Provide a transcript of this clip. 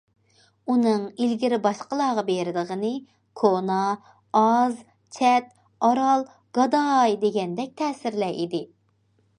ئۇنىڭ ئىلگىرى باشقىلارغا بېرىدىغىنى« كونا، ئاز، چەت، ئارال، گاداي» دېگەندەك تەسىرلەر ئىدى.